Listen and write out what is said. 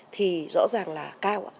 thì rõ ràng là cao